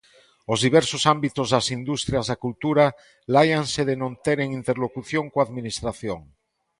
Os diversos ámbitos das industrias da cultura láianse de non teren interlocución coa administración.